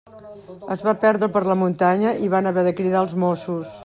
Es va perdre per la muntanya i van haver de cridar els Mossos.